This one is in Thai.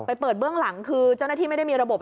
เปิดเบื้องหลังคือเจ้าหน้าที่ไม่ได้มีระบบ